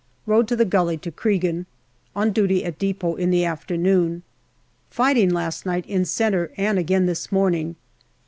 Rode to the gully to Cregan. On duty at depot in the afternoon. AUGUST 191 Fighting last night in centre and again this morning.